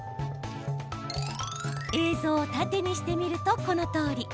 映像を縦にしてみるとこのとおり。